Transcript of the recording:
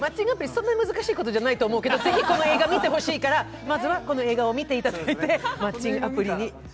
そんな難しいことじゃないけど、この映画見てもらいたいからまずはこの映画を見ていただいて、マッチングアプリに。